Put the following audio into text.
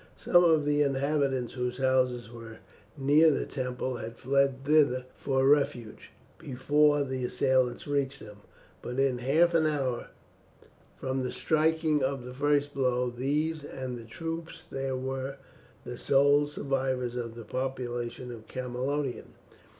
Some of the inhabitants whose houses were near the temple had fled thither for refuge before the assailants reached them, but in half an hour from the striking of the first blow these and the troops there were the sole survivors of the population of Camalodunum.